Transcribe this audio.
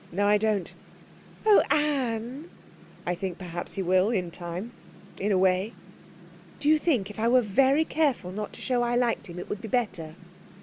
'No, I don't.' 'Oh, Anne!' 'I think, perhaps, he will, in time in a way.' 'Do you think if I were very careful not to show I liked him it would be better?'